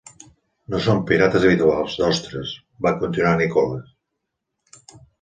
No són pirates habituals d'ostres, va continuar Nicholas.